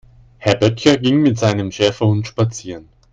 Herr Böttcher ging mit seinem Schäferhund spazieren.